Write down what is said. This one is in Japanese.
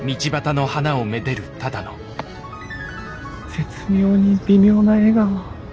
絶妙に微妙な笑顔！